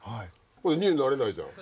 ２年になれないじゃん